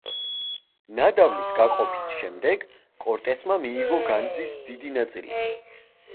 ნადავლის გაყოფის შემდეგ კორტესმა მიიღო განძის დიდი ნაწილი.